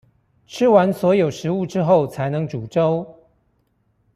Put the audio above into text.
吃完所有食物之後才能煮粥